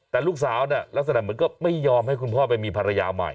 แต่ลูกสาวเนี่ยลักษณะเหมือนก็ไม่ยอมให้คุณพ่อไปมีภรรยาใหม่